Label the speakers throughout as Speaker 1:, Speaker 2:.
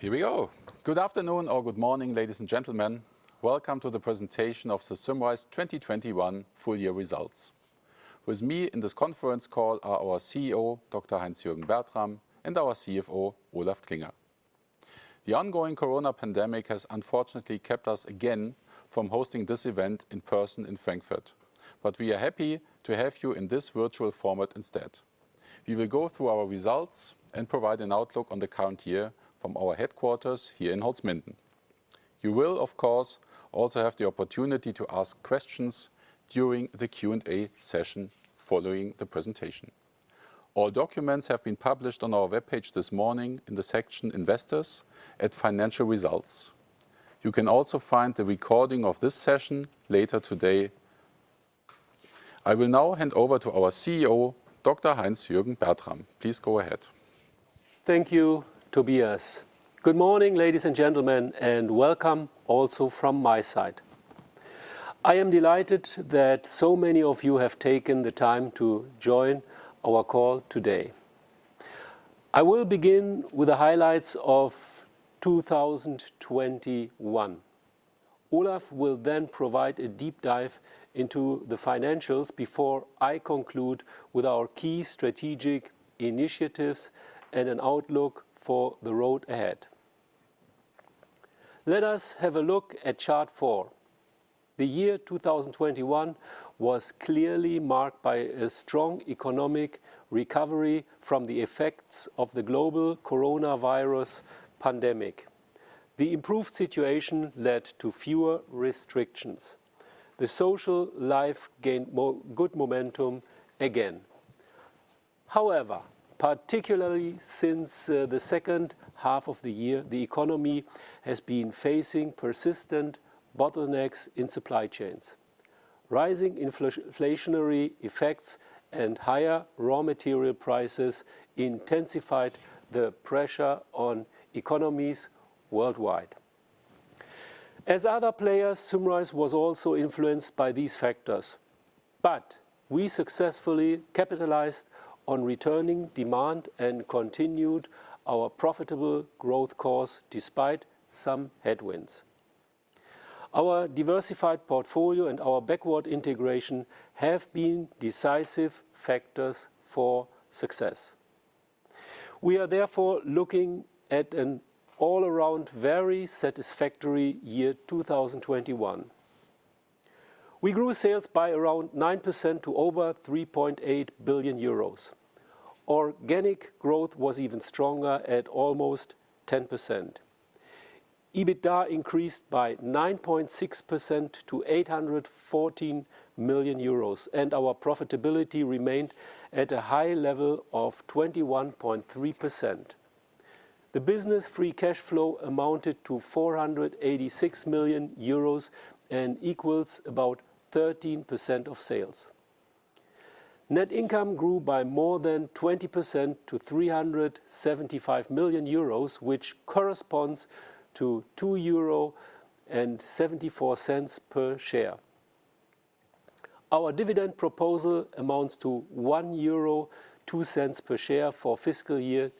Speaker 1: Here we go. Good afternoon or good morning, ladies and gentlemen. Welcome to the presentation of the Symrise 2021 full year results. With me in this conference call are our CEO, Dr. Heinz-Jürgen Bertram, and our CFO, Olaf Klinger. The ongoing corona pandemic has unfortunately kept us again from hosting this event in person in Frankfurt, but we are happy to have you in this virtual format instead. We will go through our results and provide an outlook on the current year from our headquarters here in Holzminden. You will, of course, also have the opportunity to ask questions during the Q&A session following the presentation. All documents have been published on our webpage this morning in the section Investors at Financial Results. You can also find the recording of this session later today. I will now hand over to our CEO, Dr. Heinz-Jürgen Bertram. Please go ahead.
Speaker 2: Thank you, Tobias. Good morning, ladies and gentlemen, and welcome also from my side. I am delighted that so many of you have taken the time to join our call today. I will begin with the highlights of 2021. Olaf will then provide a deep dive into the financials before I conclude with our key strategic initiatives and an outlook for the road ahead. Let us have a look at chart four. The year 2021 was clearly marked by a strong economic recovery from the effects of the global coronavirus pandemic. The improved situation led to fewer restrictions. The social life gained good momentum again. However, particularly since the second half of the year, the economy has been facing persistent bottlenecks in supply chains. Rising inflationary effects and higher raw material prices intensified the pressure on economies worldwide. As other players, Symrise was also influenced by these factors, but we successfully capitalized on returning demand and continued our profitable growth course despite some headwinds. Our diversified portfolio and our backward integration have been decisive factors for success. We are therefore looking at an all-around very satisfactory year 2021. We grew sales by around 9% to over 3.8 billion euros. Organic growth was even stronger at almost 10%. EBITDA increased by 9.6% to 814 million euros, and our profitability remained at a high level of 21.3%. The business free cash flow amounted to 486 million euros and equals about 13% of sales. Net income grew by more than 20% to 375 million euros, which corresponds to 2.74 euro per share. Our dividend proposal amounts to 1.02 euro per share for fiscal year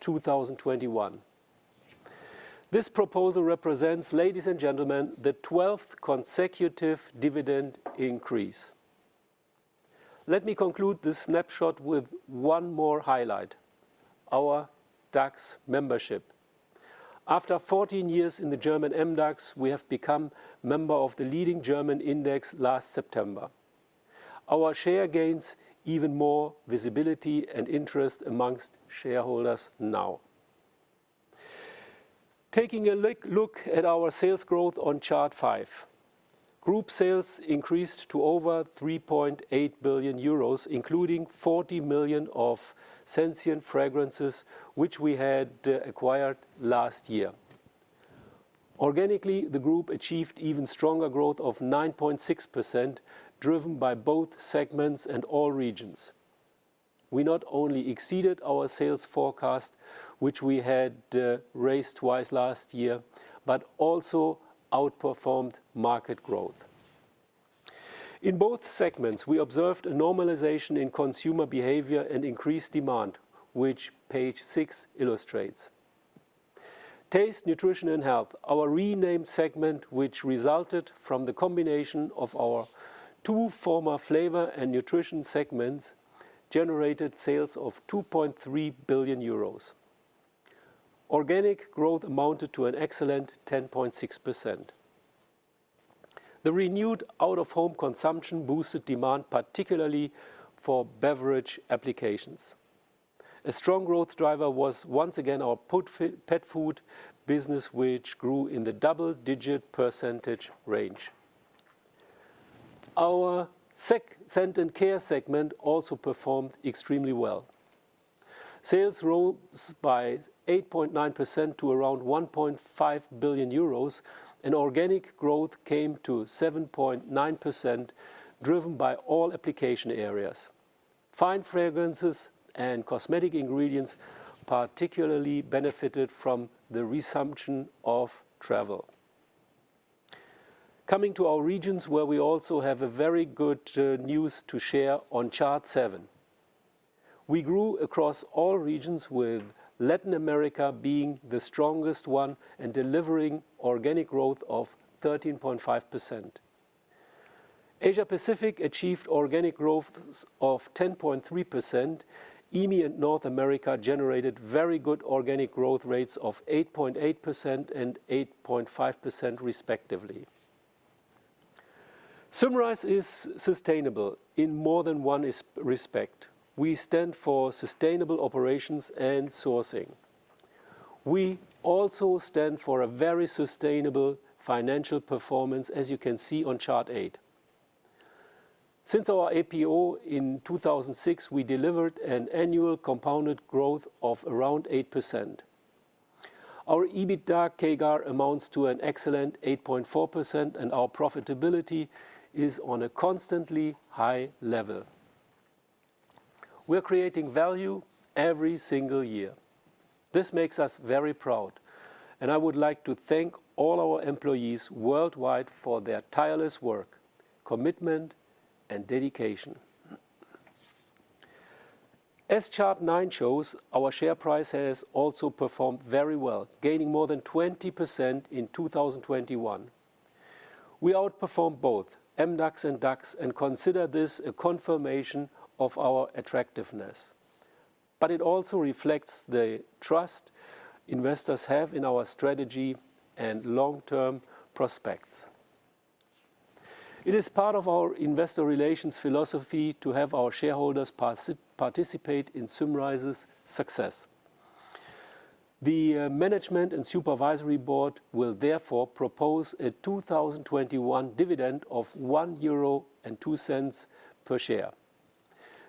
Speaker 2: 2021. This proposal represents, ladies and gentlemen, the 12th consecutive dividend increase. Let me conclude this snapshot with one more highlight, our DAX membership. After 14 years in the German MDAX, we have become member of the leading German index last September. Our share gains even more visibility and interest among shareholders now. Taking a look at our sales growth on chart five. Group sales increased to over 3.8 billion euros, including 40 million of Sensient Fragrances, which we had acquired last year. Organically, the group achieved even stronger growth of 9.6%, driven by both segments and all regions. We not only exceeded our sales forecast, which we had raised twice last year, but also outperformed market growth. In both segments, we observed a normalization in consumer behavior and increased demand, which page six illustrates. Taste, Nutrition & Health, our renamed segment, which resulted from the combination of our two former flavor and nutrition segments, generated sales of 2.3 billion euros. Organic growth amounted to an excellent 10.6%. The renewed out-of-home consumption boosted demand, particularly for beverage applications. A strong growth driver was once again our pet food business, which grew in the double-digit percentage range. Our Scent & Care segment also performed extremely well. Sales rose by 8.9% to around 1.5 billion euros, and organic growth came to 7.9%, driven by all application areas. Fine fragrances and cosmetic ingredients particularly benefited from the resumption of travel. Coming to our regions where we also have a very good news to share on chart seven. We grew across all regions, with Latin America being the strongest one and delivering organic growth of 13.5%. Asia-Pacific achieved organic growth of 10.3%. EMEA and North America generated very good organic growth rates of 8.8% and 8.5% respectively. Symrise is sustainable in more than one respect. We stand for sustainable operations and sourcing. We also stand for a very sustainable financial performance, as you can see on chart eight. Since our IPO in 2006, we delivered an annual compounded growth of around 8%. Our EBITDA CAGR amounts to an excellent 8.4%, and our profitability is on a constantly high level. We're creating value every single year. This makes us very proud, and I would like to thank all our employees worldwide for their tireless work, commitment, and dedication. As chart nine shows, our share price has also performed very well, gaining more than 20% in 2021. We outperformed both MDAX and DAX and consider this a confirmation of our attractiveness. It also reflects the trust investors have in our strategy and long-term prospects. It is part of our investor relations philosophy to have our shareholders participate in Symrise's success. The management and supervisory board will therefore propose a 2021 dividend of 1.02 euro per share.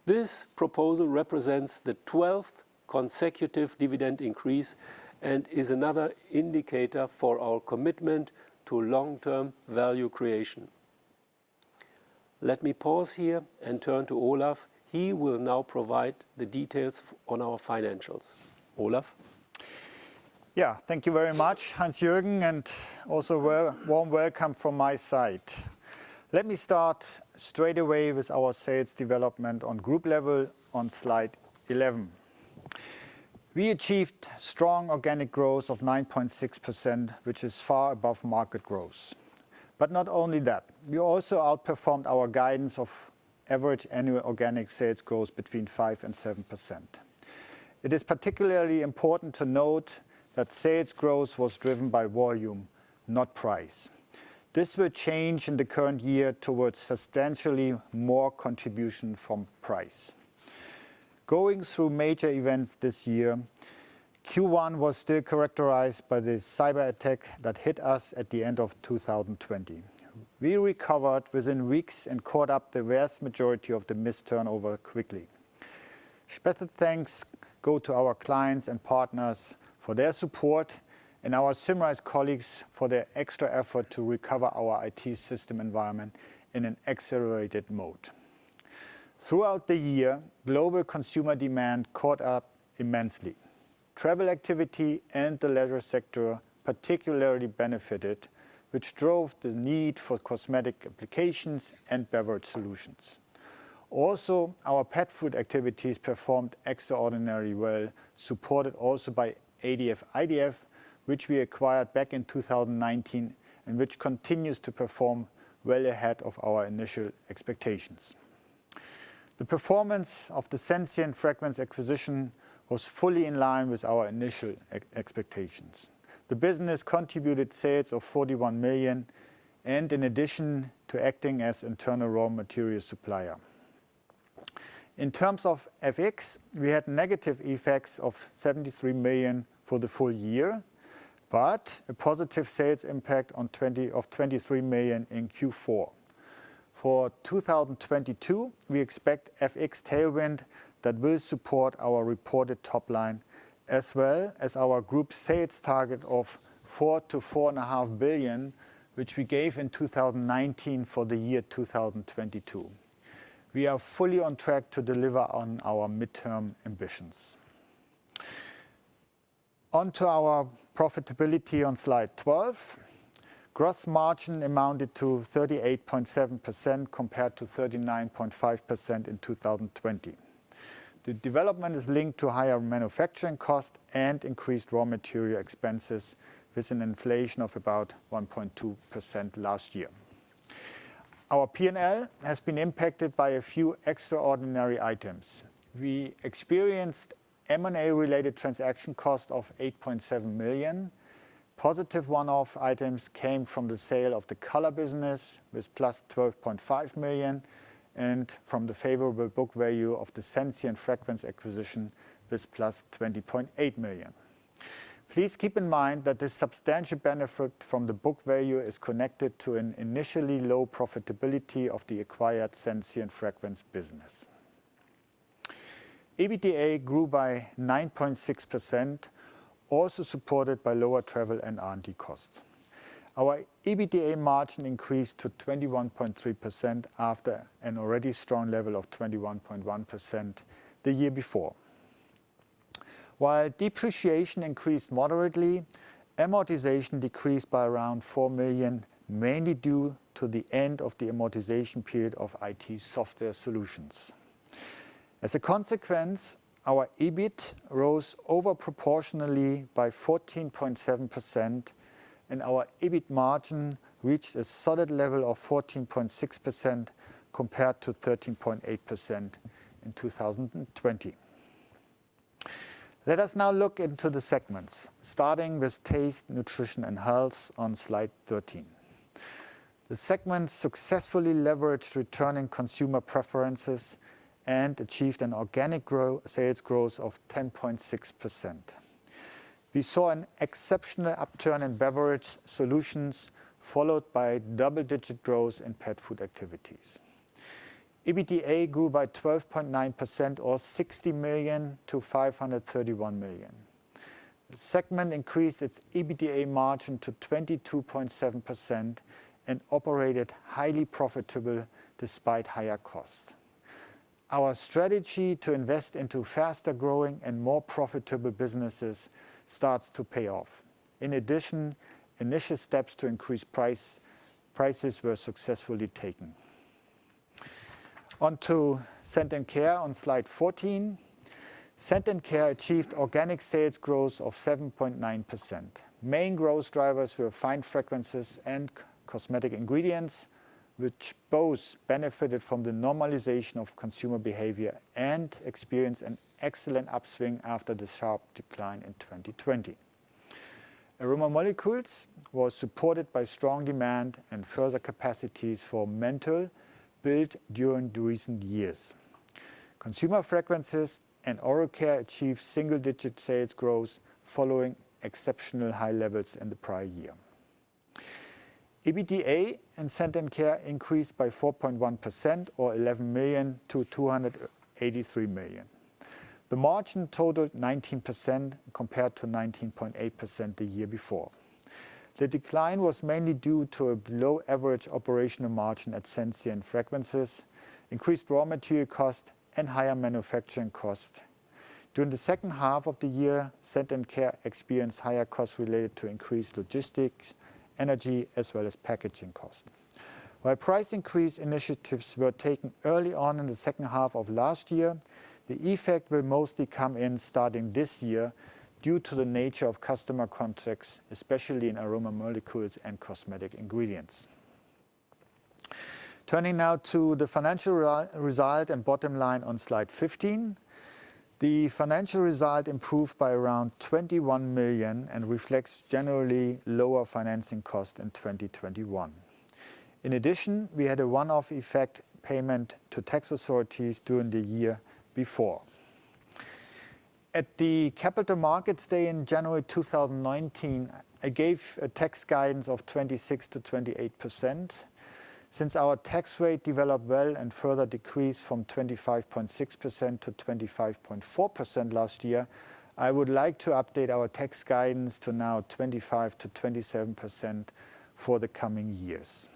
Speaker 2: This proposal represents the twelfth consecutive dividend increase and is another indicator for our commitment to long-term value creation. Let me pause here and turn to Olaf. He will now provide the details on our financials. Olaf?
Speaker 3: Yeah. Thank you very much, Hans-Jürgen, and also a warm welcome from my side. Let me start straight away with our sales development on group level on slide 11. We achieved strong organic growth of 9.6%, which is far above market growth. Not only that, we also outperformed our guidance of average annual organic sales growth between 5% and 7%. It is particularly important to note that sales growth was driven by volume, not price. This will change in the current year towards substantially more contribution from price. Going through major events this year, Q1 was still characterized by the cyber attack that hit us at the end of 2020. We recovered within weeks and caught up the vast majority of the missed turnover quickly. Special thanks go to our clients and partners for their support and our Symrise colleagues for their extra effort to recover our IT system environment in an accelerated mode. Throughout the year, global consumer demand caught up immensely. Travel activity and the leisure sector particularly benefited, which drove the need for cosmetic applications and beverage solutions. Also, our pet food activities performed extraordinarily well, supported also by ADF/IDF, which we acquired back in 2019, and which continues to perform well ahead of our initial expectations. The performance of the Sensient Fragrances acquisition was fully in line with our initial expectations. The business contributed sales of 41 million, and in addition to acting as internal raw material supplier. In terms of FX, we had negative effects of 73 million for the full year, but a positive sales impact of 23 million in Q4. For 2022, we expect FX tailwind that will support our reported top line, as well as our group sales target of 4 billion-4.5 billion, which we gave in 2019 for the year 2022. We are fully on track to deliver on our midterm ambitions. On to our profitability on slide 12. Gross margin amounted to 38.7% compared to 39.5% in 2020. The development is linked to higher manufacturing costs and increased raw material expenses, with an inflation of about 1.2% last year. Our P&L has been impacted by a few extraordinary items. We experienced M&A-related transaction cost of 8.7 million. Positive one-off items came from the sale of the color business with +12.5 million, and from the favorable book value of the Sensient Fragrances acquisition with +20.8 million. Please keep in mind that this substantial benefit from the book value is connected to an initially low profitability of the acquired Sensient Fragrances business. EBITDA grew by 9.6%, also supported by lower travel and R&D costs. Our EBITDA margin increased to 21.3% after an already strong level of 21.1% the year before. While depreciation increased moderately, amortization decreased by around 4 million, mainly due to the end of the amortization period of IT software solutions. As a consequence, our EBIT rose over proportionally by 14.7% and our EBIT margin reached a solid level of 14.6% compared to 13.8% in 2020. Let us now look into the segments, starting with Taste, Nutrition and Health on slide 13. The segment successfully leveraged returning consumer preferences and achieved an organic sales growth of 10.6%. We saw an exceptional upturn in beverage solutions, followed by double-digit growth in pet food activities. EBITDA grew by 12.9% or 60 million to 531 million. The segment increased its EBITDA margin to 22.7% and operated highly profitable despite higher costs. Our strategy to invest into faster-growing and more profitable businesses starts to pay off. In addition, initial steps to increase prices were successfully taken. On to Scent & Care on slide 14. Scent & Care achieved organic sales growth of 7.9%. Main growth drivers were fine fragrances and cosmetic ingredients, which both benefited from the normalization of consumer behavior and experienced an excellent upswing after the sharp decline in 2020. Aroma Molecules was supported by strong demand and further capacities for menthol built during the recent years. Consumer fragrances and oral care achieved single-digit sales growth following exceptional high levels in the prior year. EBITDA in Scent & Care increased by 4.1% or 11 million to 283 million. The margin totaled 19% compared to 19.8% the year before. The decline was mainly due to a below-average operational margin at Sensient Fragrances, increased raw material costs, and higher manufacturing costs. During the second half of the year, Scent & Care experienced higher costs related to increased logistics, energy, as well as packaging costs. While price increase initiatives were taken early on in the second half of last year, the effect will mostly come in starting this year due to the nature of customer contracts, especially in Aroma Molecules and cosmetic ingredients. Turning now to the financial result and bottom line on slide 15. The financial result improved by around 21 million and reflects generally lower financing costs in 2021. In addition, we had a one-off effect payment to tax authorities during the year before. At the Capital Markets Day in January 2019, I gave a tax guidance of 26%-28%. Since our tax rate developed well and further decreased from 25.6% to 25.4% last year, I would like to update our tax guidance to now 25%-27% for the coming years.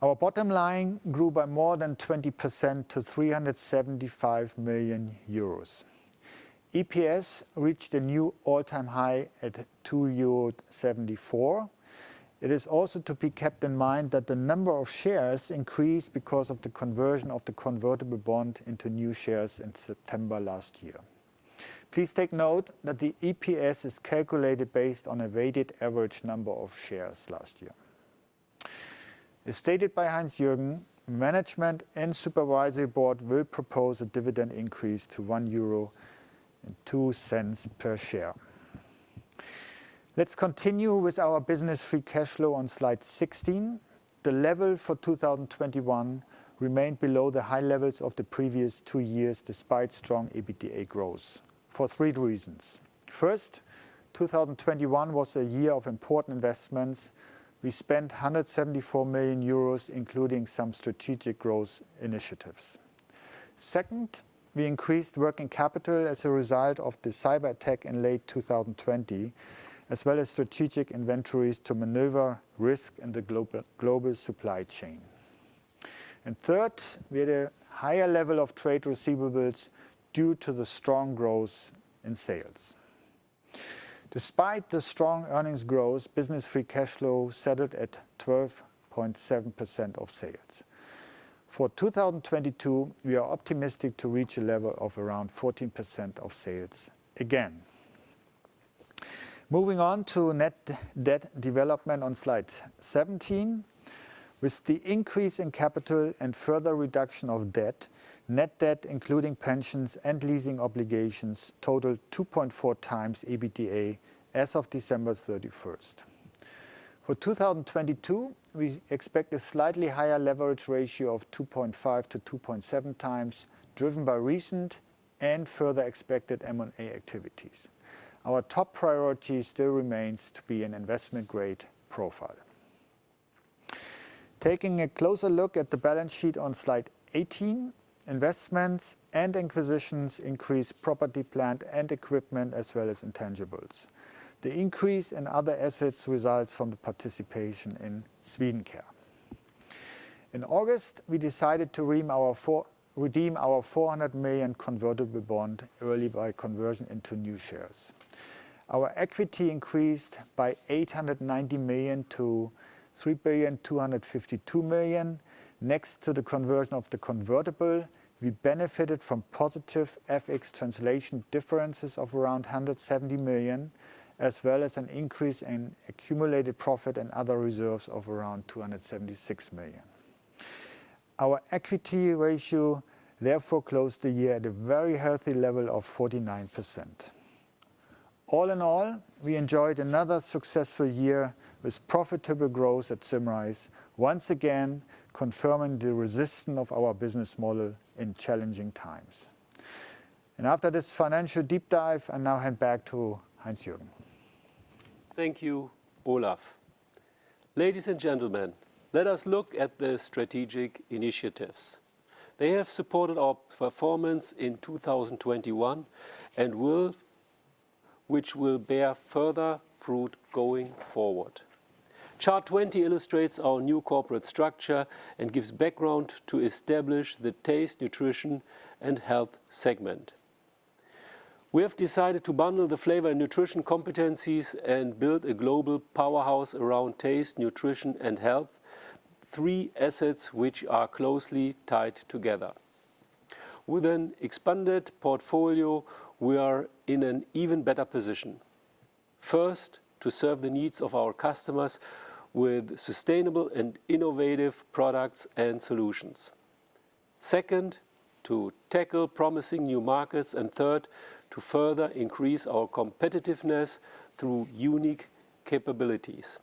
Speaker 3: Our bottom line grew by more than 20% to 375 million euros. EPS reached a new all-time high at 2.74 euro. It is also to be kept in mind that the number of shares increased because of the conversion of the convertible bond into new shares in September last year. Please take note that the EPS is calculated based on a weighted average number of shares last year. As stated by Heinz-Jürgen, management and supervisory board will propose a dividend increase to 1.02 euro per share. Let's continue with our business free cash flow on slide 16. The level for 2021 remained below the high levels of the previous two years, despite strong EBITDA growth for three reasons. First, 2021 was a year of important investments. We spent 174 million euros, including some strategic growth initiatives. Second, we increased working capital as a result of the cyberattack in late 2020, as well as strategic inventories to maneuver risk in the global supply chain. Third, we had a higher level of trade receivables due to the strong growth in sales. Despite the strong earnings growth, business free cash flow settled at 12.7% of sales. For 2022, we are optimistic to reach a level of around 14% of sales again. Moving on to net debt development on slide 17. With the increase in capital and further reduction of debt, net debt including pensions and leasing obligations totaled 2.4x EBITDA as of December 31st. For 2022, we expect a slightly higher leverage ratio of 2.5x-2.7x, driven by recent and further expected M&A activities. Our top priority still remains to be an investment-grade profile. Taking a closer look at the balance sheet on slide 18, investments and acquisitions increased property, plant, and equipment as well as intangibles. The increase in other assets results from the participation in Swedencare. In August, we decided to redeem our 400 million convertible bond early by conversion into new shares. Our equity increased by 890 million to 3.252 billion. Next to the conversion of the convertible, we benefited from positive FX translation differences of around 170 million, as well as an increase in accumulated profit and other reserves of around 276 million. Our equity ratio therefore closed the year at a very healthy level of 49%. All in all, we enjoyed another successful year with profitable growth at Symrise, once again confirming the resistance of our business model in challenging times. After this financial deep dive, I now hand back to Heinz-Jürgen.
Speaker 2: Thank you, Olaf. Ladies and gentlemen, let us look at the strategic initiatives. They have supported our performance in 2021 and will, which will bear further fruit going forward. Chart 20 illustrates our new corporate structure and gives background to establish the Taste, Nutrition & Health segment. We have decided to bundle the flavor and nutrition competencies and build a global powerhouse around Taste, Nutrition & Health, three assets which are closely tied together. With an expanded portfolio, we are in an even better position. First, to serve the needs of our customers with sustainable and innovative products and solutions. Second, to tackle promising new markets. Third, to further increase our competitiveness through unique capabilities.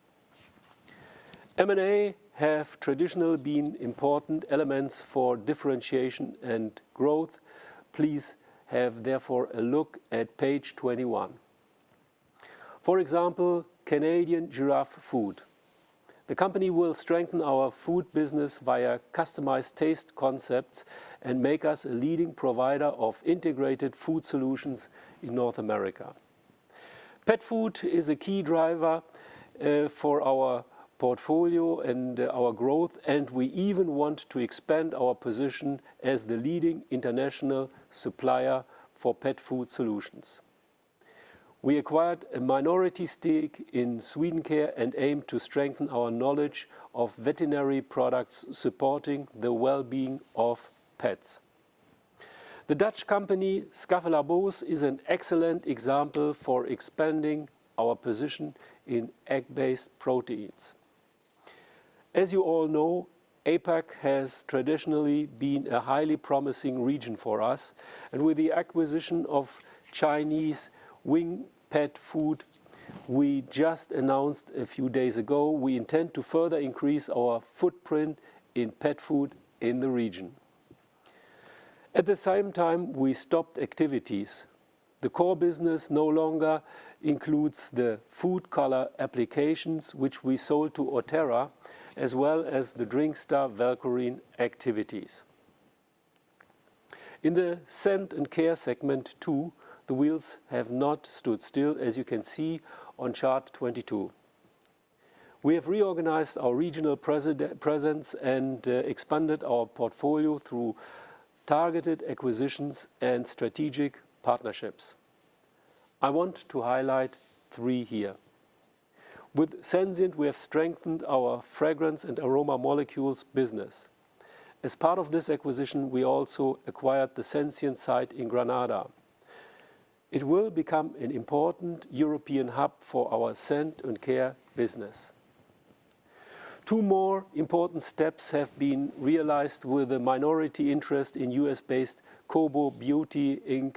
Speaker 2: M&A have traditionally been important elements for differentiation and growth. Please have therefore a look at page 21. For example, Canadian Giraffe Foods. The company will strengthen our food business via customized taste concepts and make us a leading provider of integrated food solutions in North America. Pet food is a key driver for our portfolio and our growth, and we even want to expand our position as the leading international supplier for pet food solutions. We acquired a minority stake in Swedencare and aim to strengthen our knowledge of veterinary products supporting the well-being of pets. The Dutch company Schaffelaarbos is an excellent example for expanding our position in egg-based proteins. As you all know, APAC has traditionally been a highly promising region for us, and with the acquisition of Chinese Wing Pet Food we just announced a few days ago, we intend to further increase our footprint in pet food in the region. At the same time, we stopped activities. The core business no longer includes the food color applications which we sold to Oterra, as well as the DrinkStar Velcorin activities. In the Scent & Care segment, too, the wheels have not stood still, as you can see on chart 22. We have reorganized our regional presence and expanded our portfolio through targeted acquisitions and strategic partnerships. I want to highlight three here. With Sensient, we have strengthened our fragrance and Aroma Molecules business. As part of this acquisition, we also acquired the Sensient site in Granada. It will become an important European hub for our Scent & Care business. Two more important steps have been realized with a minority interest in U.S.-based Kobo Products Inc.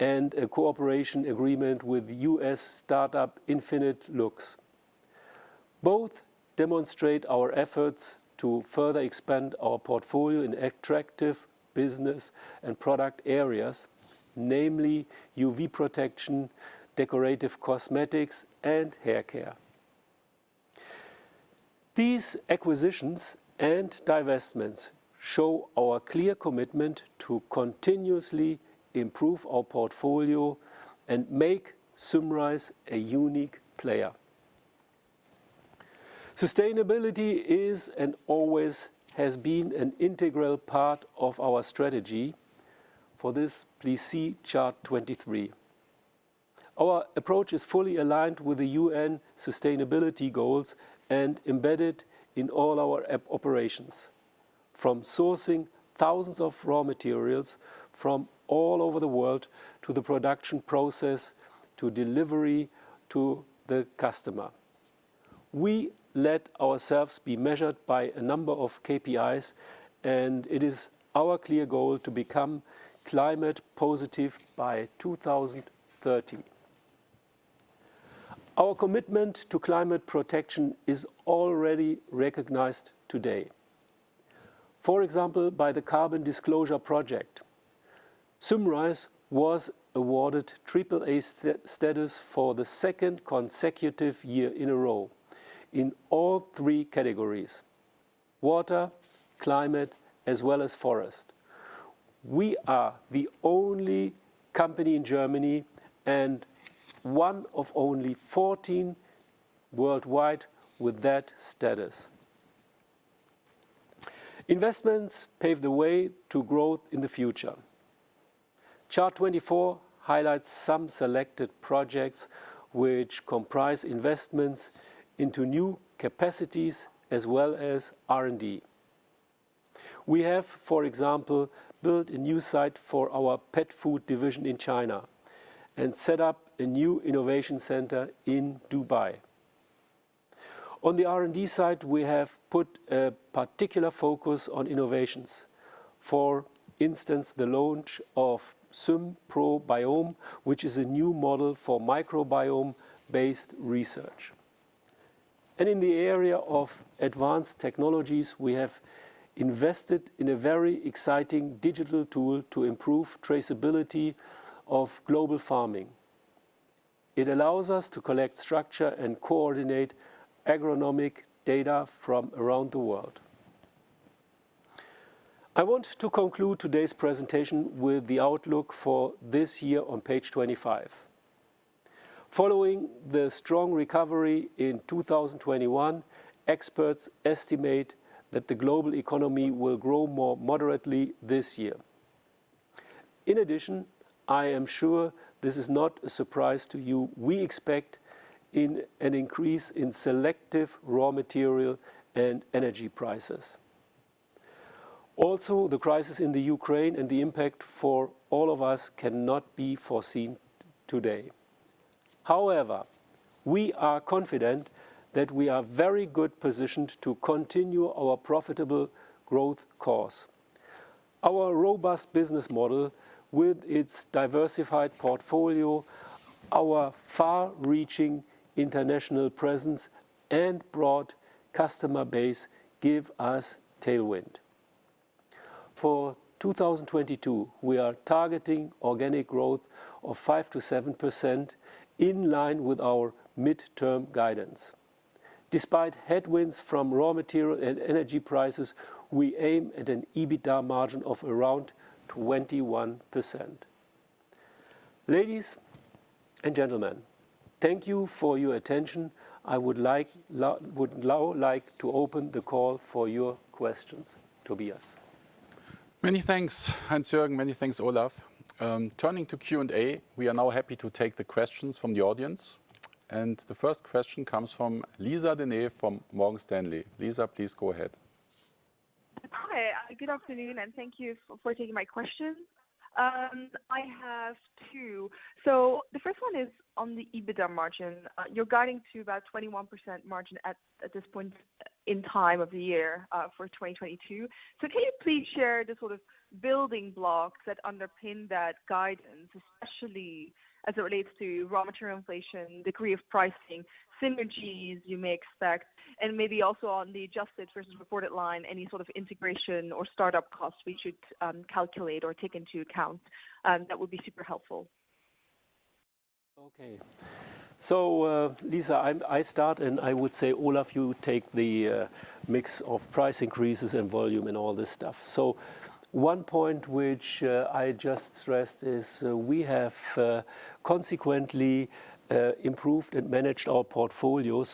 Speaker 2: and a cooperation agreement with U.S. startup Infinite Looks. Both demonstrate our efforts to further expand our portfolio in attractive business and product areas, namely UV protection, decorative cosmetics and hair care. These acquisitions and divestments show our clear commitment to continuously improve our portfolio and make Symrise a unique player. Sustainability is, and always has been, an integral part of our strategy. For this, please see chart 23. Our approach is fully aligned with the UN sustainability goals and embedded in all our operations. From sourcing thousands of raw materials from all over the world, to the production process, to delivery to the customer. We let ourselves be measured by a number of KPIs, and it is our clear goal to become climate positive by 2030. Our commitment to climate protection is already recognized today, for example, by the Carbon Disclosure Project. Symrise was awarded triple-A status for the second consecutive year in a row in all three categories: water, climate, as well as forest. We are the only company in Germany and one of only 14 worldwide with that status. Investments pave the way to growth in the future. Chart 24 highlights some selected projects which comprise investments into new capacities as well as R&D. We have, for example, built a new site for our pet food division in China and set up a new innovation center in Dubai. On the R&D side, we have put a particular focus on innovations. For instance, the launch of SymProBiome, which is a new model for microbiome-based research. In the area of advanced technologies, we have invested in a very exciting digital tool to improve traceability of global farming. It allows us to collect, structure, and coordinate agronomic data from around the world. I want to conclude today's presentation with the outlook for this year on page 25. Following the strong recovery in 2021, experts estimate that the global economy will grow more moderately this year. In addition, I am sure this is not a surprise to you, we expect an increase in selective raw material and energy prices. Also, the crisis in the Ukraine and the impact for all of us cannot be foreseen today. However, we are confident that we are very good positioned to continue our profitable growth course. Our robust business model with its diversified portfolio, our far-reaching international presence, and broad customer base give us tailwind. For 2022, we are targeting organic growth of 5%-7% in line with our midterm guidance. Despite headwinds from raw material and energy prices, we aim at an EBITDA margin of around 21%. Ladies and gentlemen, thank you for your attention. I would now like to open the call for your questions. Tobias?
Speaker 1: Many thanks, Hans-Jürgen. Many thanks, Olaf. Turning to Q&A, we are now happy to take the questions from the audience. The first question comes from Lisa De Neve from Morgan Stanley. Lisa, please go ahead.
Speaker 4: Hi. Good afternoon, and thank you for taking my questions. I have two. The first one is on the EBITDA margin. You're guiding to about 21% margin at this point in time of the year, for 2022. Can you please share the sort of building blocks that underpin that guidance, especially as it relates to raw material inflation, degree of pricing, synergies you may expect, and maybe also on the adjusted versus reported line, any sort of integration or startup costs we should calculate or take into account? That would be super helpful.
Speaker 2: Okay. Lisa, I start, and I would say, Olaf, you take the mix of price increases and volume and all this stuff. One point which I just stressed is we have consequently improved and managed our portfolio.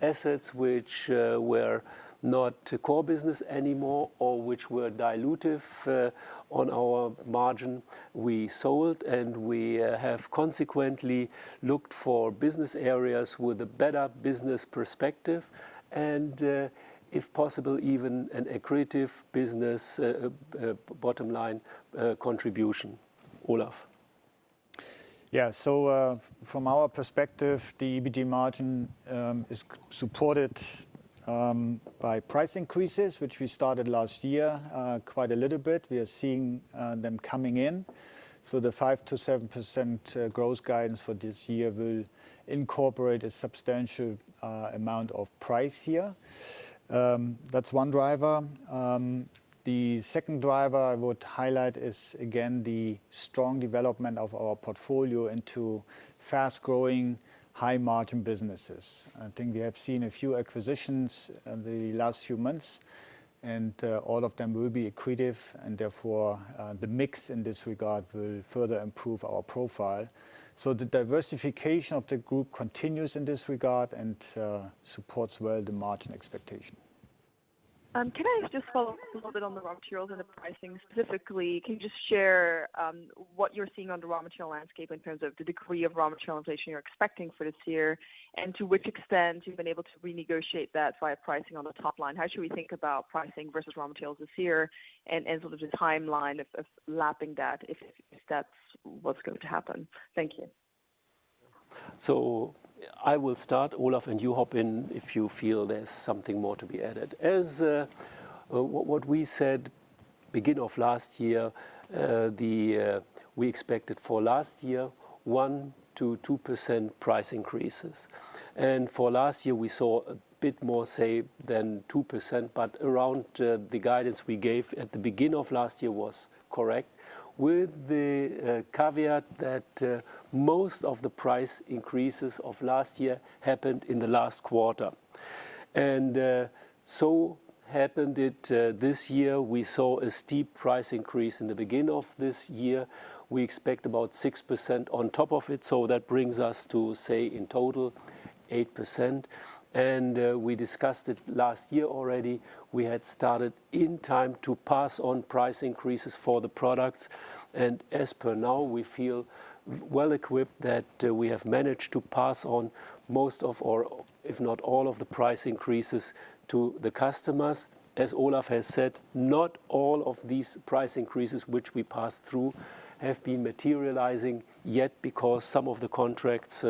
Speaker 2: Assets which were not core business anymore or which were dilutive on our margin, we sold, and we have consequently looked for business areas with a better business perspective and, if possible, even an accretive business bottom line contribution. Olaf?
Speaker 3: Yeah. From our perspective, the EBIT margin is supported by price increases, which we started last year, quite a little bit. We are seeing them coming in. The 5%-7% growth guidance for this year will incorporate a substantial amount of pricing. That's one driver. The second driver I would highlight is again the strong development of our portfolio into fast-growing, high-margin businesses. I think we have seen a few acquisitions in the last few months, and all of them will be accretive, and therefore the mix in this regard will further improve our profile. The diversification of the group continues in this regard and supports well the margin expectation.
Speaker 4: Can I just follow up a little bit on the raw materials and the pricing? Specifically, can you just share what you're seeing on the raw material landscape in terms of the degree of raw material inflation you're expecting for this year and to which extent you've been able to renegotiate that via pricing on the top line? How should we think about pricing versus raw materials this year and sort of the timeline of lapping that if that's what's going to happen? Thank you.
Speaker 2: I will start. Olaf, and you hop in if you feel there's something more to be added. What we said beginning of last year, we expected for last year, 1%-2% price increases. For last year, we saw a bit more, say, than 2%, but around the guidance we gave at the beginning of last year was correct, with the caveat that most of the price increases of last year happened in the last quarter. So it happened this year we saw a steep price increase in the beginning of this year. We expect about 6% on top of it, so that brings us to, say, in total 8%. We discussed it last year already. We had started in time to pass on price increases for the products. As per now, we feel well-equipped that we have managed to pass on most of our, if not all of the price increases to the customers. As Olaf has said, not all of these price increases which we passed through have been materializing yet because some of the contracts,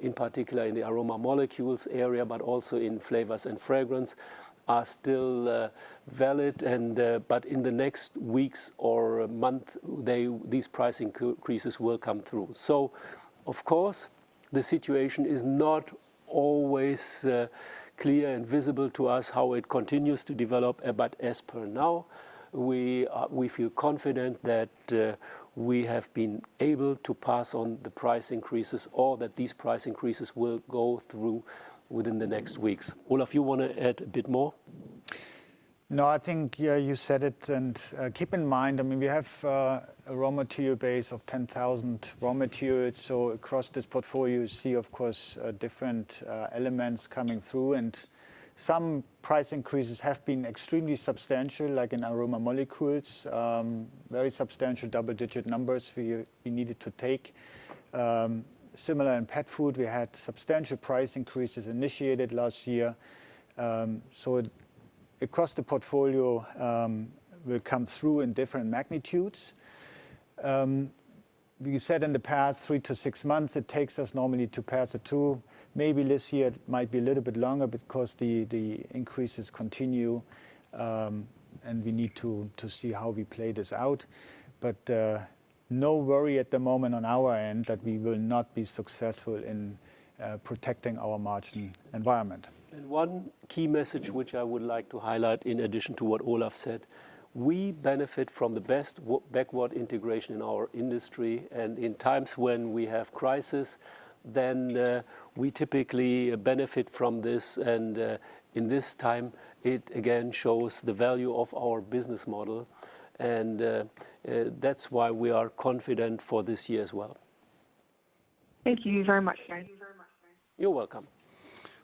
Speaker 2: in particular in the Aroma Molecules area, but also in flavors and fragrance, are still valid. In the next weeks or month, these price increases will come through. Of course, the situation is not always clear and visible to us how it continues to develop. As per now, we feel confident that we have been able to pass on the price increases or that these price increases will go through within the next weeks. Olaf, you want to add a bit more?
Speaker 3: No, I think, yeah, you said it. Keep in mind, I mean, we have a raw material base of 10,000 raw materials. Across this portfolio you see, of course, different elements coming through. Some price increases have been extremely substantial, like in Aroma Molecules. Very substantial double-digit numbers for you, we needed to take. Similar in pet food, we had substantial price increases initiated last year. Across the portfolio, it will come through in different magnitudes. We said in the past three to six months, it takes us normally to pass through. Maybe this year it might be a little bit longer because the increases continue, and we need to see how we play this out. No worry at the moment on our end that we will not be successful in protecting our margin environment.
Speaker 2: One key message which I would like to highlight in addition to what Olaf said, we benefit from the best vertical backward integration in our industry. In times when we have crises, then we typically benefit from this. In this time, it again shows the value of our business model, and that's why we are confident for this year as well.
Speaker 4: Thank you very much, guys.
Speaker 2: You're welcome.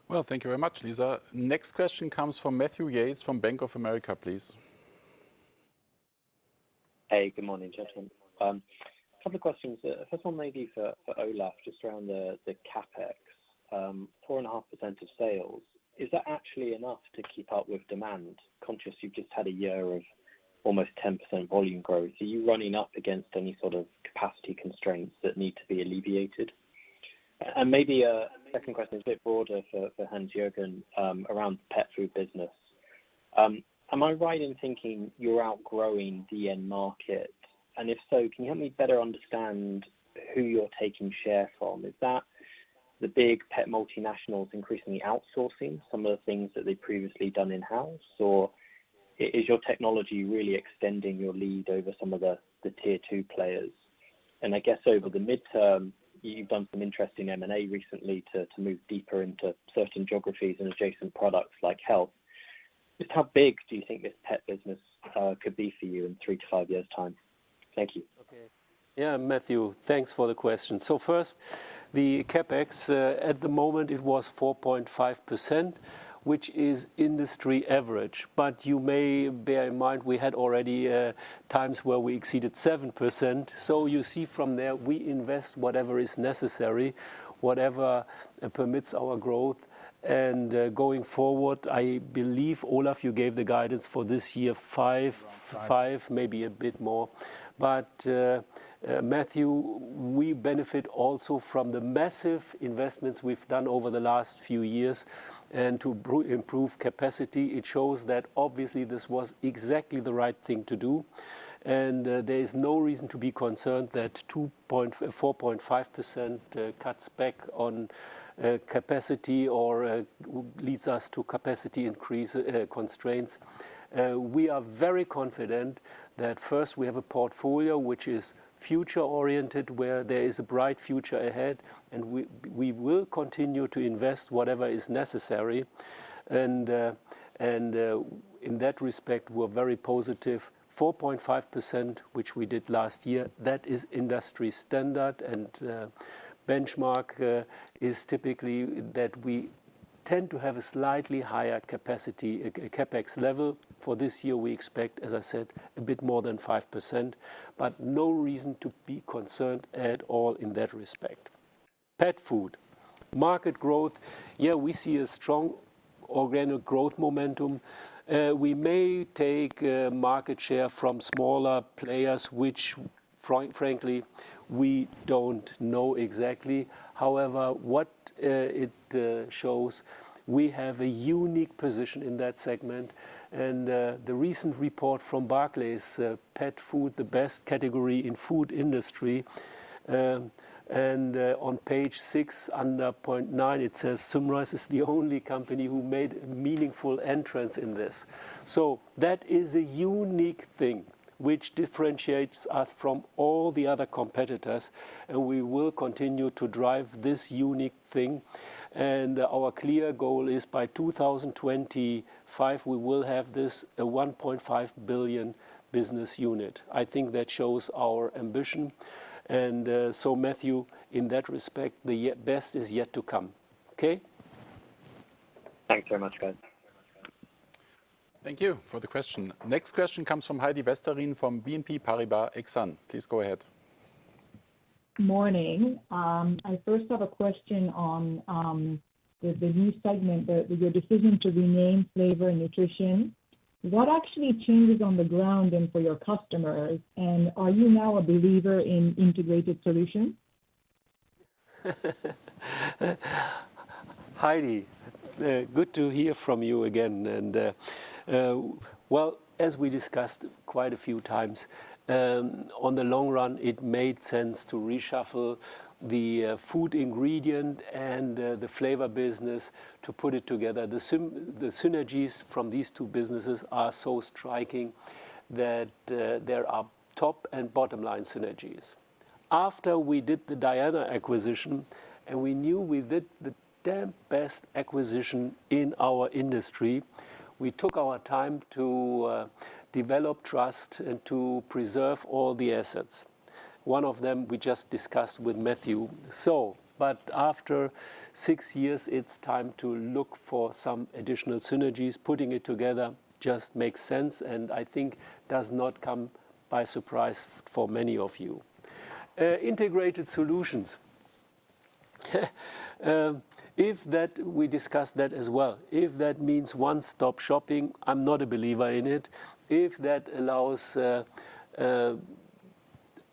Speaker 1: Well, thank you very much, Lisa. Next question comes from Matthew Yates from Bank of America, please.
Speaker 5: Hey, good morning, gentlemen. Couple of questions. First one may be for Olaf, just around the CapEx. 4.5% of sales, is that actually enough to keep up with demand? Considering you've just had a year of almost 10% volume growth. Are you running up against any sort of capacity constraints that need to be alleviated? And maybe a second question, a bit broader for Hans-Jürgen, around pet food business. Am I right in thinking you're outgrowing the end market? And if so, can you help me better understand who you're taking share from? Is that the big pet multinationals increasingly outsourcing some of the things that they've previously done in-house or is your technology really extending your lead over some of the tier two players? I guess over the midterm, you've done some interesting M&A recently to move deeper into certain geographies and adjacent products like health. Just how big do you think this pet business could be for you in three to five years' time? Thank you.
Speaker 2: Okay. Yeah, Matthew, thanks for the question. First, the CapEx at the moment it was 4.5%, which is industry average. You may bear in mind we had already times where we exceeded 7%. You see from there, we invest whatever is necessary, whatever permits our growth. Going forward, I believe, Olaf, you gave the guidance for this year, 5%, maybe a bit more. Matthew, we benefit also from the massive investments we've done over the last few years and to improve capacity. It shows that obviously this was exactly the right thing to do, and there is no reason to be concerned that 4.5% cuts back on capacity or leads us to capacity increase constraints. We are very confident that first we have a portfolio which is future-oriented, where there is a bright future ahead, and we will continue to invest whatever is necessary. In that respect, we're very positive. 4.5%, which we did last year, that is industry standard. Benchmark is typically that we tend to have a slightly higher capacity, a CapEx level. For this year we expect, as I said, a bit more than 5%, but no reason to be concerned at all in that respect. Pet food market growth. We see a strong organic growth momentum. We may take market share from smaller players, which frankly, we don't know exactly. However, it shows we have a unique position in that segment. The recent report from Barclays pet food, the best category in food industry. On page six, under point nine, it says, "Symrise is the only company who made meaningful entry in this." So that is a unique thing which differentiates us from all the other competitors, and we will continue to drive this unique thing. Our clear goal is by 2025, we will have this a 1.5 billion business unit. I think that shows our ambition. Matthew, in that respect, the best is yet to come. Okay?
Speaker 5: Thanks very much, guys.
Speaker 1: Thank you for the question. Next question comes from Heidi Vesterinen from BNP Paribas Exane. Please go ahead.
Speaker 6: Morning. I first have a question on the new segment that, with your decision to rename Taste, Nutrition & Health, what actually changes on the ground and for your customers? Are you now a believer in integrated solutions?
Speaker 2: Heidi, good to hear from you again. Well, as we discussed quite a few times, in the long run it made sense to reshuffle the food ingredient and the flavor business to put it together. The synergies from these two businesses are so striking that there are top and bottom line synergies. After we did the Diana acquisition, and we knew we did the damn best acquisition in our industry, we took our time to develop trust and to preserve all the assets. One of them we just discussed with Matthew. But after six years, it's time to look for some additional synergies. Putting it together just makes sense, and I think does not come as a surprise for many of you. Integrated solutions. We discussed that as well. If that means one-stop shopping, I'm not a believer in it. If that allows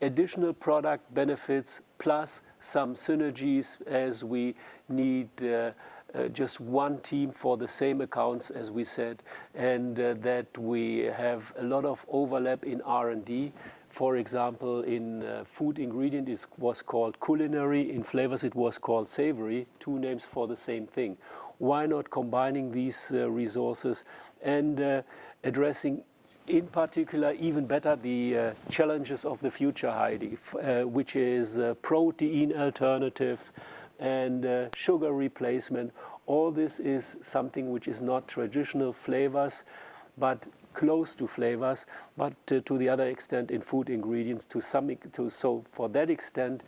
Speaker 2: additional product benefits plus some synergies as we need just one team for the same accounts, as we said, and that we have a lot of overlap in R&D. For example, in food ingredient, it was called culinary. In flavors, it was called savory. Two names for the same thing. Why not combining these resources and addressing, in particular, even better, the challenges of the future, Heidi, which is protein alternatives and sugar replacement. All this is something which is not traditional flavors, but close to flavors. To the other extent in food ingredients to some extent. So for that extent,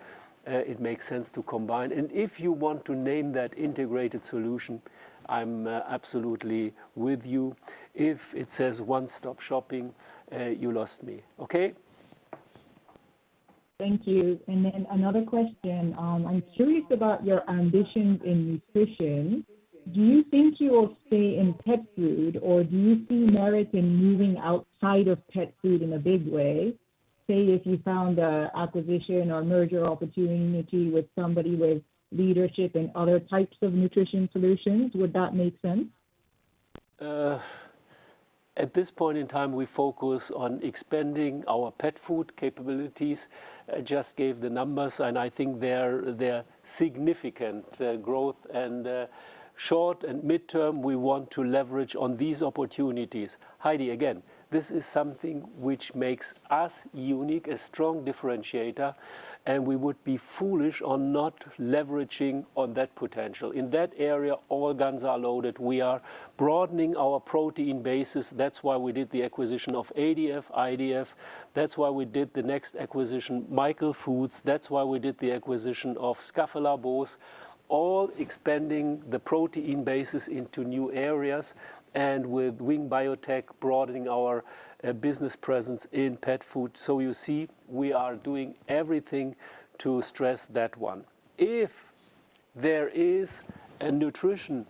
Speaker 2: it makes sense to combine. If you want to name that integrated solution, I'm absolutely with you. If it says one-stop shopping, you lost me. Okay?
Speaker 6: Thank you. Another question. I'm curious about your ambitions in nutrition. Do you think you will stay in pet food, or do you see merit in moving outside of pet food in a big way? Say, if you found a acquisition or merger opportunity with somebody with leadership in other types of nutrition solutions, would that make sense?
Speaker 2: At this point in time, we focus on expanding our pet food capabilities. I just gave the numbers, and I think they're significant growth. Short and mid-term, we want to leverage on these opportunities. Heidi, again, this is something which makes us unique, a strong differentiator, and we would be foolish on not leveraging on that potential. In that area, all guns are loaded. We are broadening our protein bases. That's why we did the acquisition of ADF, IDF. That's why we did the next acquisition, Michael Foods. That's why we did the acquisition of Schaffelaarbos. All expanding the protein bases into new areas, and with Wing Biotech broadening our business presence in pet food. So you see, we are doing everything to stress that one. If there is a nutrition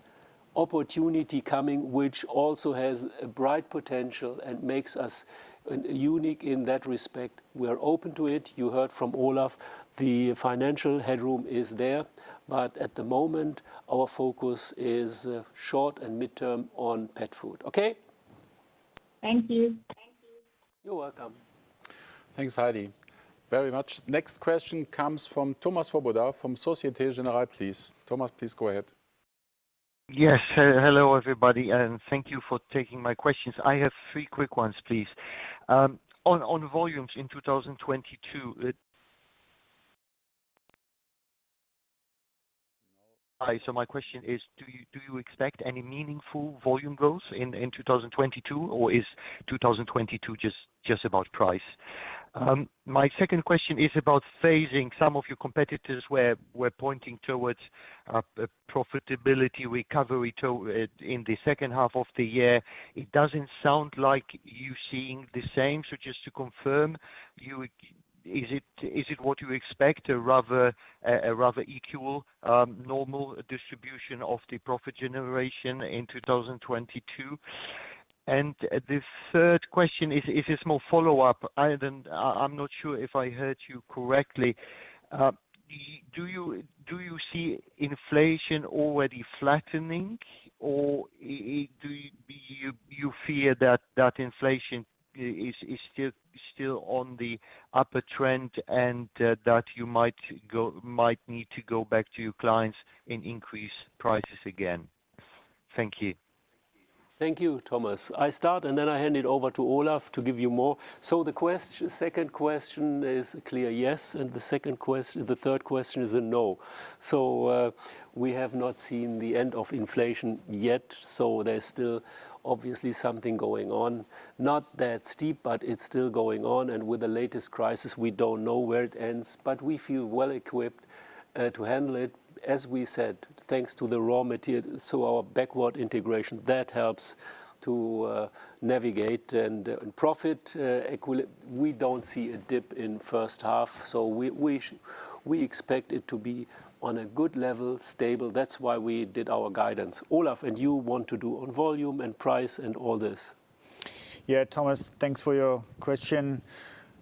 Speaker 2: opportunity coming which also has a bright potential and makes us a unique in that respect, we are open to it. You heard from Olaf, the financial headroom is there. At the moment, our focus is short and mid-term on pet food. Okay?
Speaker 6: Thank you.
Speaker 2: You're welcome.
Speaker 1: Thanks, Heidi, very much. Next question comes from Thomas Swoboda from Société Générale, please. Thomas, please go ahead.
Speaker 7: Hello, everybody, and thank you for taking my questions. I have three quick ones, please. On volumes in 2022, my question is, do you expect any meaningful volume growth in 2022, or is 2022 just about price? My second question is about the phasing. Some of your competitors are pointing towards a profitability recovery in the second half of the year. It doesn't sound like you're seeing the same. Just to confirm, is it what you expect, a rather equal normal distribution of the profit generation in 2022? The third question is a small follow-up item. I'm not sure if I heard you correctly. Do you see inflation already flattening, or do you fear that inflation is still on the upper trend and that you might need to go back to your clients and increase prices again? Thank you.
Speaker 2: Thank you, Thomas. I'll start, and then I'll hand it over to Olaf to give you more. The second question is clear, yes, and the third question is a no. We have not seen the end of inflation yet, so there's still obviously something going on. Not that steep, but it's still going on. With the latest crisis, we don't know where it ends. We feel well equipped to handle it, as we said, thanks to the raw material, so our backward integration that helps to navigate. We don't see a dip in first half, so we expect it to be on a good level, stable. That's why we did our guidance. Olaf, do you want to do on volume and price and all this.
Speaker 3: Yeah, Thomas, thanks for your question.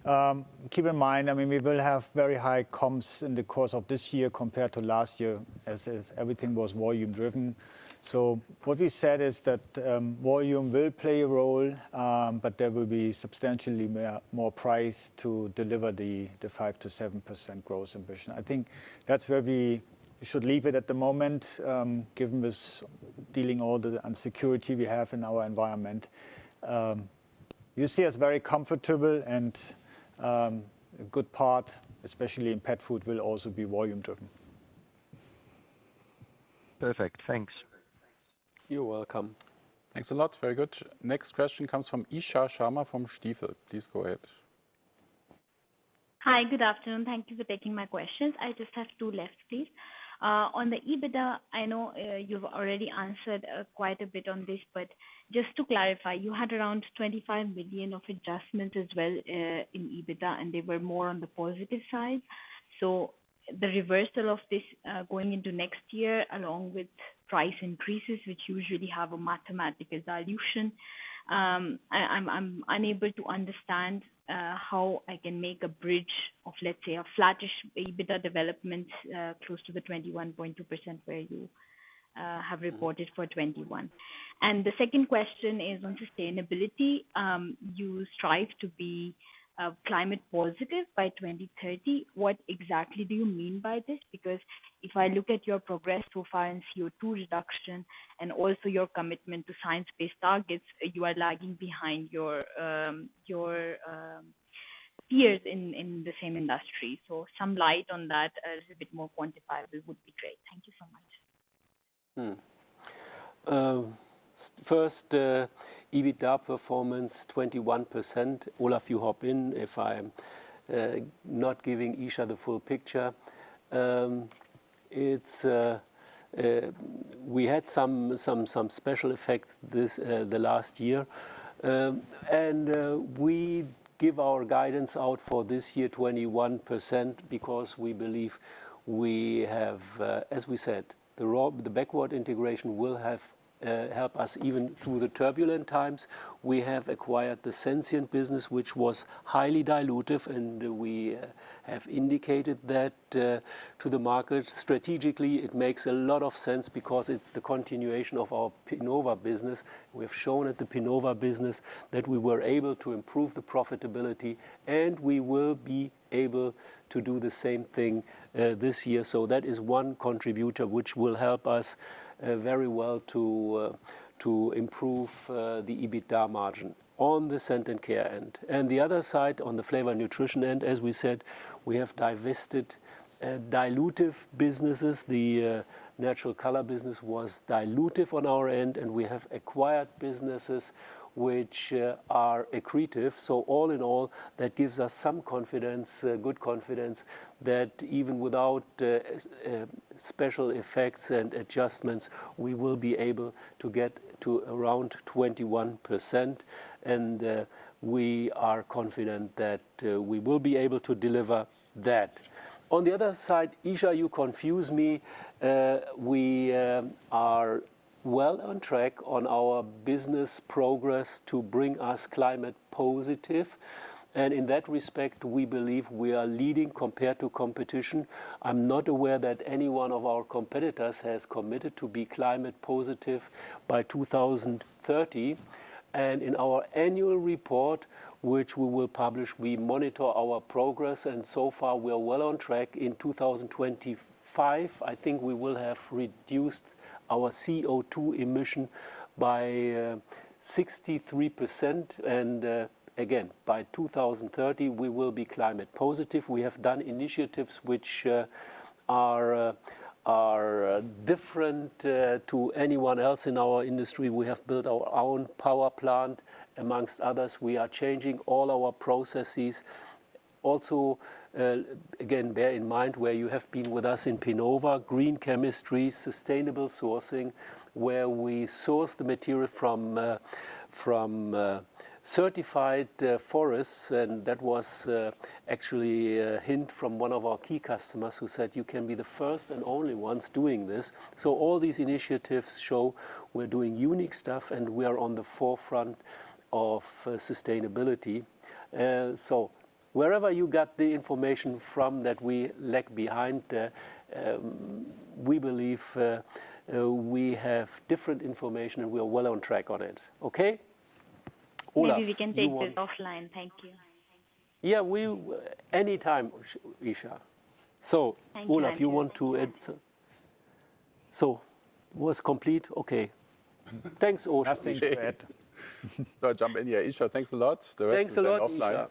Speaker 3: Keep in mind, I mean, we will have very high comps in the course of this year compared to last year as everything was volume driven. What we said is that volume will play a role, but there will be substantially more price to deliver the 5%-7% growth ambition. I think that's where we should leave it at the moment, given all the uncertainty we have in our environment. You see us very comfortable and a good part, especially in pet food, will also be volume driven.
Speaker 7: Perfect. Thanks.
Speaker 3: You're welcome.
Speaker 1: Thanks a lot. Very good. Next question comes from Isha Sharma from Stifel. Please go ahead.
Speaker 8: Hi. Good afternoon. Thank you for taking my questions. I just have two left, please. On the EBITDA, I know, you've already answered, quite a bit on this, but just to clarify, you had around 25 million of adjustments as well, in EBITDA, and they were more on the positive side. The reversal of this, going into next year, along with price increases, which usually have a mathematical solution, I'm unable to understand, how I can make a bridge of, let's say, a flattish EBITDA development, close to the 21.2% where you, have reported for 2021. The second question is on sustainability. You strive to be, climate positive by 2030. What exactly do you mean by this? Because if I look at your progress so far in CO2 reduction and also your commitment to science-based targets, you are lagging behind your peers in the same industry. Shed some light on that, a little bit more quantifiable would be great. Thank you so much.
Speaker 2: First, EBITDA performance, 21%. Olaf, you hop in if I'm not giving Isha the full picture. It's we had some special effects this the last year. We give our guidance out for this year, 21%, because we believe we have, as we said, the backward integration will help us even through the turbulent times. We have acquired the Sensient business, which was highly dilutive, and we have indicated that to the market. Strategically, it makes a lot of sense because it's the continuation of our Pinova business. We have shown at the Pinova business that we were able to improve the profitability, and we will be able to do the same thing this year. That is one contributor which will help us very well to improve the EBITDA margin on the Scent & Care end. The other side on the Flavor Nutrition end, as we said, we have divested dilutive businesses. The natural color business was dilutive on our end, and we have acquired businesses which are accretive. All in all, that gives us good confidence that even without special effects and adjustments, we will be able to get to around 21%, and we are confident that we will be able to deliver that. On the other side, Isha, you confuse me. We are well on track on our business progress to bring us climate positive. In that respect, we believe we are leading compared to competition. I'm not aware that any one of our competitors has committed to be climate positive by 2030. In our annual report, which we will publish, we monitor our progress, and so far, we are well on track. In 2025, I think we will have reduced our CO2 emission by 63%. Again, by 2030, we will be climate positive. We have done initiatives which are different to anyone else in our industry. We have built our own power plant, among others. We are changing all our processes. Also, again, bear in mind where you have been with us in Pinova, green chemistry, sustainable sourcing, where we source the material from certified forests. That was actually a hint from one of our key customers who said, "You can be the first and only ones doing this." All these initiatives show we're doing unique stuff, and we are on the forefront of sustainability. Wherever you got the information from that we lag behind, we believe we have different information and we are well on track on it. Okay?
Speaker 8: Maybe we can take this offline. Thank you.
Speaker 2: Yeah. Anytime, Isha.
Speaker 8: Thank you.
Speaker 2: Olaf, you want to add? So was complete? Okay. Thanks, Olaf.
Speaker 3: Nothing to add.
Speaker 1: I jump in here. Isha, thanks a lot.
Speaker 2: Thanks a lot, Isha.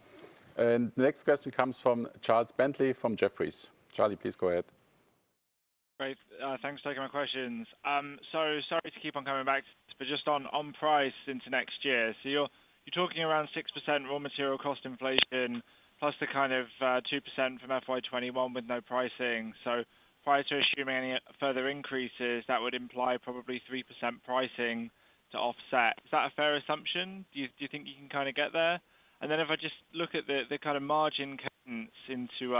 Speaker 1: We take offline. The next question comes from Charles Bentley from Jefferies. Charlie, please go ahead.
Speaker 9: Great. Thanks for taking my questions. Sorry to keep on coming back, but just on price into next year. You're talking around 6% raw material cost inflation, plus the kind of 2% from FY 2021 with no pricing. Prior to assuming any further increases, that would imply probably 3% pricing to offset. Is that a fair assumption? Do you think you can kinda get there? If I just look at the kind of margin cadence into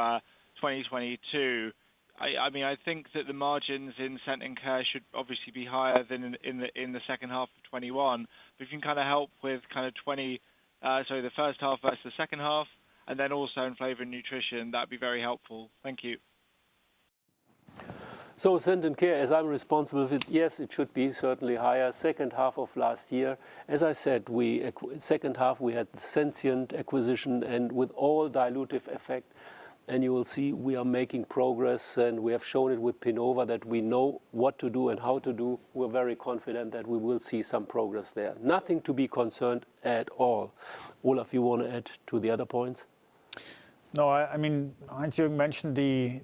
Speaker 9: 2022, I mean, I think that the margins in Scent & Care should obviously be higher than in the second half of 2021. If you can kind of help with the first half versus the second half, and then also in Flavor and Nutrition, that'd be very helpful. Thank you.
Speaker 2: Scent & Care, as I'm responsible for it, yes, it should be certainly higher second half of last year. As I said, second half, we had the Sensient acquisition and with all dilutive effect, and you will see we are making progress, and we have shown it with Pinova that we know what to do and how to do. We're very confident that we will see some progress there. Nothing to be concerned at all. Olaf, you want to add to the other points?
Speaker 3: No, I mean, Heinz, you mentioned the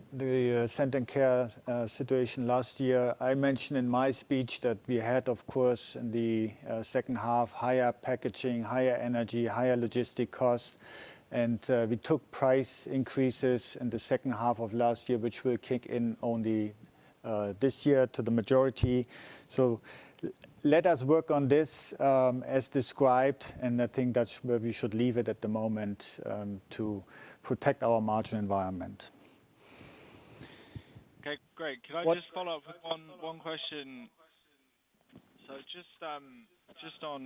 Speaker 3: Scent & Care situation last year. I mentioned in my speech that we had, of course, in the second half, higher packaging, higher energy, higher logistics costs, and we took price increases in the second half of last year, which will kick in only this year to the majority. Let us work on this, as described, and I think that's where we should leave it at the moment, to protect our margin environment.
Speaker 9: Okay, great. Can I just follow up with one question? Just on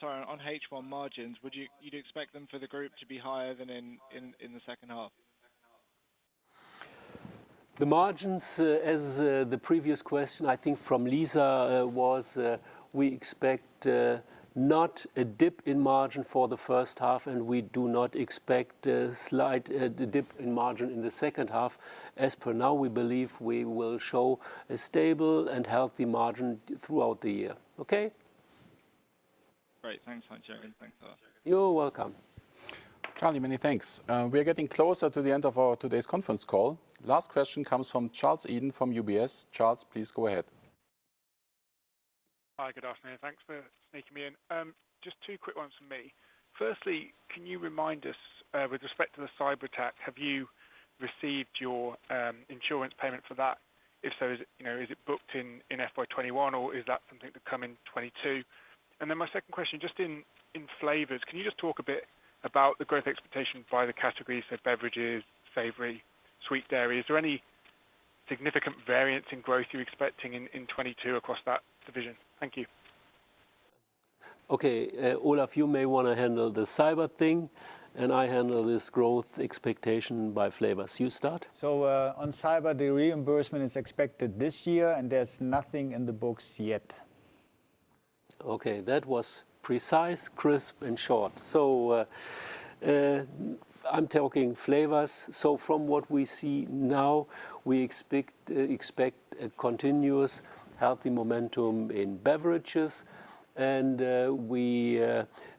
Speaker 9: H1 margins, would you expect them for the group to be higher than in the second half?
Speaker 2: The margins, as the previous question, I think from Lisa, was, we expect not a dip in margin for the first half, and we do not expect a slight dip in margin in the second half. As of now, we believe we will show a stable and healthy margin throughout the year. Okay.
Speaker 9: Great. Thanks, Heinz. Thanks, Olaf.
Speaker 2: You're welcome.
Speaker 1: Charlie, many thanks. We're getting closer to the end of our today's conference call. Last question comes from Charles Eden from UBS. Charles, please go ahead.
Speaker 10: Hi, good afternoon. Thanks for sneaking me in. Just two quick ones from me. Firstly, can you remind us, with respect to the cyberattack, have you received your insurance payment for that? If so, you know, is it booked in FY 2021, or is that something to come in 2022? My second question, just in Flavors, can you just talk a bit about the growth expectation by the categories, so beverages, savory, sweet dairy? Is there any significant variance in growth you're expecting in 2022 across that division? Thank you.
Speaker 2: Okay. Olaf, you may want to handle the cyber thing, and I handle this growth expectation by Flavors. You start.
Speaker 3: On cyber, the reimbursement is expected this year, and there's nothing in the books yet.
Speaker 2: Okay. That was precise, crisp, and short. I'm talking flavors. From what we see now, we expect a continuous healthy momentum in beverages, and we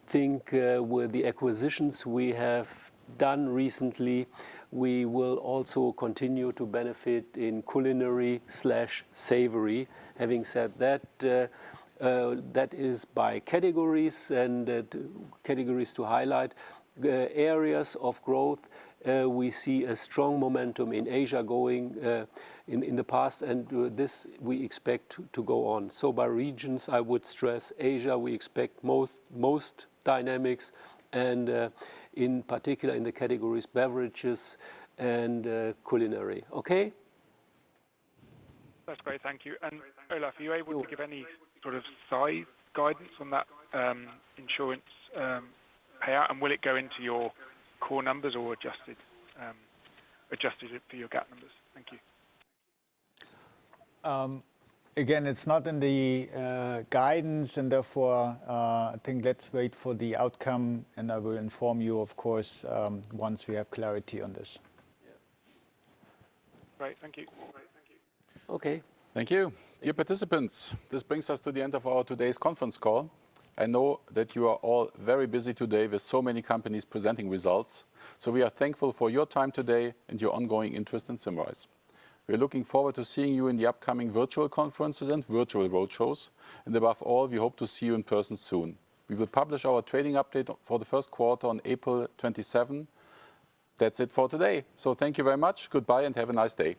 Speaker 2: think with the acquisitions we have done recently, we will also continue to benefit in culinary/savory. Having said that is by categories and categories to highlight. Areas of growth, we see a strong momentum in Asia going in the past, and this we expect to go on. By regions, I would stress Asia, we expect most dynamics and in particular in the categories beverages and culinary. Okay?
Speaker 10: That's great. Thank you. Olaf, are you able to give any sort of size guidance on that, insurance, payout? Will it go into your core numbers or adjusted for your GAAP numbers? Thank you.
Speaker 3: Again, it's not in the guidance and therefore, I think let's wait for the outcome, and I will inform you of course once we have clarity on this.
Speaker 10: Yeah. Great. Thank you.
Speaker 1: Okay. Thank you. Dear participants, this brings us to the end of our today's conference call. I know that you are all very busy today with so many companies presenting results, so we are thankful for your time today and your ongoing interest in Symrise. We are looking forward to seeing you in the upcoming virtual conferences and virtual roadshows, and above all, we hope to see you in person soon. We will publish our trading update for the first quarter on April 27. That's it for today. Thank you very much. Goodbye, and have a nice day.